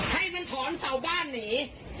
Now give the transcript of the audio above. ให้มันถอนเสาบ้านหนี